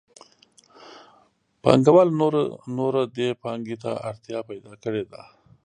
پانګوالو نوره دې پانګې ته اړتیا پیدا کړې ده